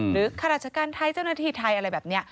หรือคาดรัชกรรมไทยเจ้าหน้าที่ไทยอะไรแบบนี้